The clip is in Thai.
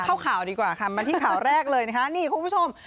ข่าวดีกว่าค่ะมาที่ข่าวแรกเลยนะคะนี่คุณผู้ชม